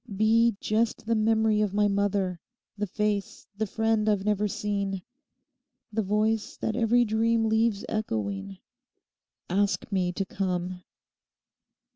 Be just the memory of my mother, the face, the friend I've never seen; the voice that every dream leaves echoing. Ask me to come.